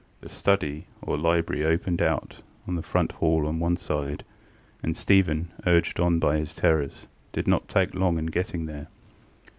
The study or library opened out of the front hall on one side, and Stephen, urged on by his terrors, did not take long in getting there.